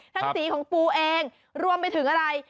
สีของปูเองรวมไปถึงอะไร